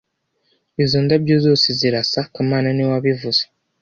Izo ndabyo zose zirasa kamana niwe wabivuze